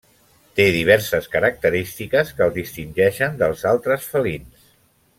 Té diverses característiques que el distingeixen dels altres felins.